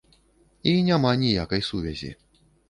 І няма ніякай сувязі.